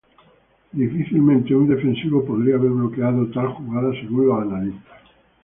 Difícilmente un defensivo podría haber bloqueado tal jugada según los analistas.